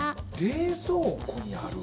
冷蔵庫にある？